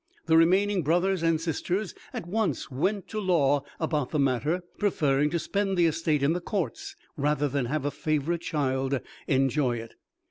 The remaining brothers and sisters at once went to law about the matter, preferring to spend the estate in the courts rather than have a favorite child enjoy it.